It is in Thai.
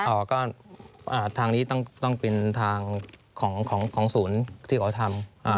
อ่าก็ทางนี้ต้องเป็นทางของศูนย์ที่เขาทำ